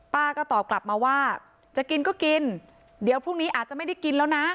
ป้าก็ตอบกลับมาว่าจะกินก็กินเดี๋ยวพรุ่งนี้อาจจะไม่ได้กินแล้วนะ